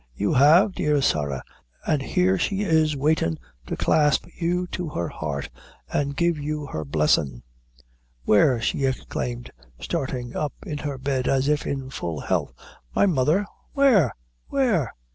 "You have, dear Sarah, an' here she is waitin' to clasp you to her heart, an' give you her blessin'." "Where?" she exclaimed, starting up in her bed, as if in full health; "my mother! where? where?"